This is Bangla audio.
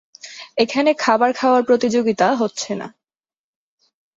এখানে খাবার খাওয়ার প্রতিযোগিতা হচ্ছে না।